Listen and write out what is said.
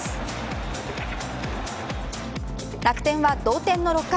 楽天は同点の６回。